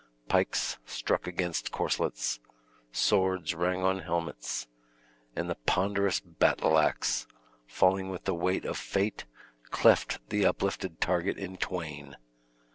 Pikes struck against corslets, swords rang on helmets, and the ponderous battle ax, falling with the weight of fate, cleft the uplifted target in twain.